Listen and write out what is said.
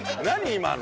今の。